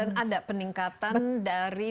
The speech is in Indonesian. dan ada peningkatan dari